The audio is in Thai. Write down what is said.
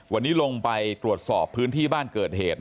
วันนี้ลงไปตรวจสอบพื้นที่บ้านเกิดเหตุ